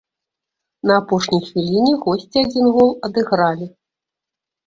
На апошняй хвіліне госці адзін гол адыгралі.